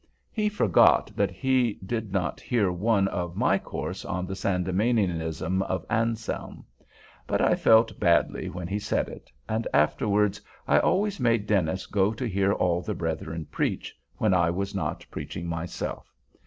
He forgot that he did not hear one of my course on the Sandemanianism of Anselm. But I felt badly when he said it; and afterwards I always made Dennis go to hear all the brethren preach, when I was not preaching myself.